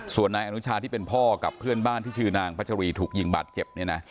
ส่วนนายอนุชาที่เป็นพ่อกับเพื่อนบ้านที่ชื่อนางพัชรีถูกยิงบาดเจ็บเนี่ยนะ